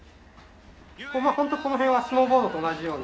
ホントこの辺はスノーボードと同じように。